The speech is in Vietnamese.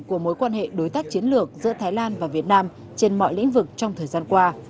của mối quan hệ đối tác chiến lược giữa thái lan và việt nam trên mọi lĩnh vực trong thời gian qua